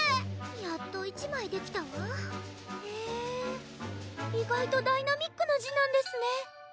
やっと１枚できたわへぇ意外とダイナミックな字なんですね！